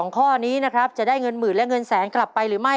ข้อนี้นะครับจะได้เงินหมื่นและเงินแสนกลับไปหรือไม่